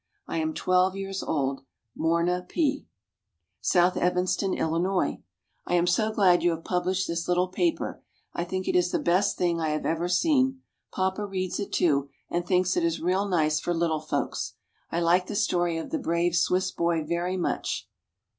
I am twelve years old. MORNA P. SOUTH EVANSTON, ILLINOIS. I am so glad you have published this little paper. I think it is the best thing I have ever seen. Papa reads it too, and thinks it is real nice for little folks. I like the story of the "Brave Swiss Boy" very much.